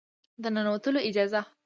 د ننوتلو اجازه